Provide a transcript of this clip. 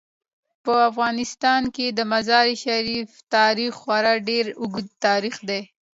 په افغانستان کې د مزارشریف تاریخ خورا ډیر اوږد تاریخ دی.